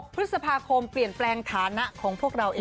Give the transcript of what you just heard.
พฤษภาคมเปลี่ยนแปลงฐานะของพวกเราเอง